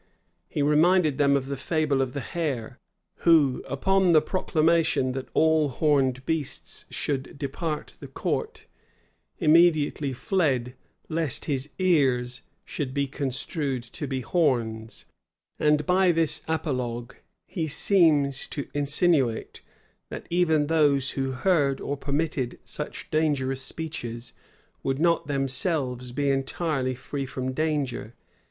He reminded them of the fable of the hare, who, upon the proclamation that all horned beasts should depart the court, immediately fled, lest his ears should be construed to be horns; and by this apologue he seems to insinuate, that even those who heard or permitted such dangerous speeches, would not themselves be entirely free from danger.